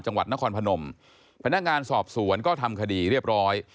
จังหวัดนครพนมพนักงานสอบสวนก็ทำคดีเรียบร้อย